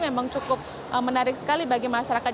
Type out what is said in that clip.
memang cukup menarik sekali bagi masyarakat